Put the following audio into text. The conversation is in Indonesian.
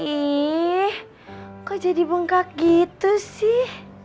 eh kok jadi bengkak gitu sih